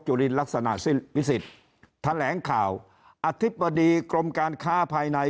ลินลักษณะสิ้นพิสิทธิ์แถลงข่าวอธิบดีกรมการค้าภายใน